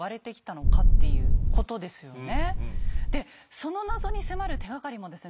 その謎に迫る手がかりもですね